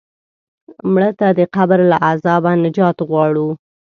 مړه ته د قبر له عذابه نجات غواړو